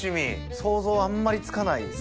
想像あんまりつかないです。